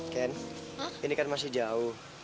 kan ini kan masih jauh